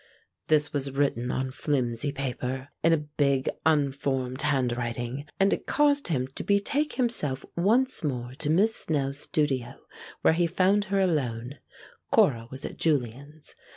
This was written on flimsy paper, in a big unformed handwriting, and it caused him to betake himself once more to Miss Snell's studio, where he found her alone Cora was at Julian's.